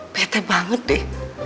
pt banget deh